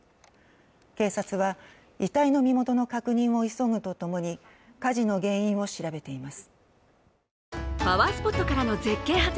警察は遺体の身元の確認を急ぐとともに火事の原因を調べています。